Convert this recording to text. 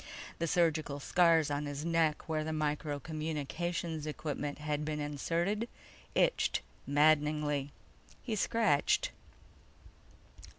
The surgical scars on his neck where the micro communications equipment had been inserted itched maddeningly. He scratched.